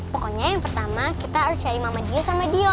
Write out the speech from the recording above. pokoknya yang pertama kita harus cari mama dio sama dio